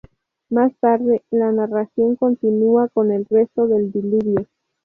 Más tarde, la narración continúa con el relato del diluvio.